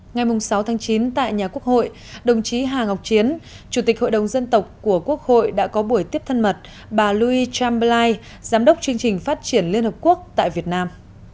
ngay mùng sáu tháng chín tại nhà quốc hội đồng chí hà ngọc chiến chủ tịch hội đồng dân tộc của quốc hội đã có buổi tiếp thân mật bà louis chamberlain giám đốc chương trình phát triển liên hợp quốc tại việt nam